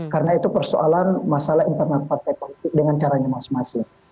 karena itu persoalan masalah internal partai politik dengan caranya masing masing